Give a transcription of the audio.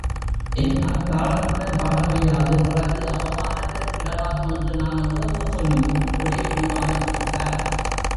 என்னால் தாளத்துடன் பாட முடியாது, பிறகு அவமானத்திற்கிடமாகும் என்று நான் எவ்வளவோ சொல்லியும் ஒரே பிடிவாதம் பிடித்தார்.